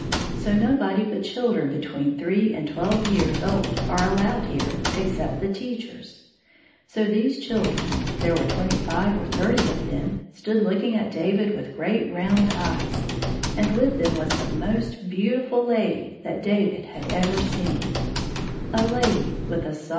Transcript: So no body but children between three and twelve years old are allowed here, except the teachers. So these children — there were twenty five or thirty of them — stood looking at David with great romid eyes, and with them was the most beautiful lady that David had ever seen — a lady with a soft, 76 IVhere did ynit cnwe.